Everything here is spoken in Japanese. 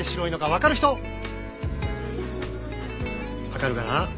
わかるかな？